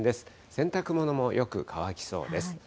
洗濯物もよく乾きそうです。